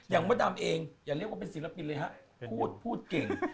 มดดำเองอย่าเรียกว่าเป็นศิลปินเลยฮะพูดพูดเก่ง